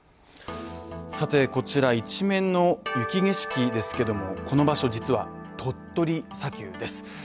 こちら一面の雪景色ですけども、この場所実は鳥取砂丘です。